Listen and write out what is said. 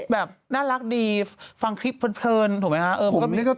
แบบน่ารักดีฟังคลิปเพลินถูกไหมคะ